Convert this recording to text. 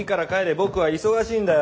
僕は忙しいんだよ。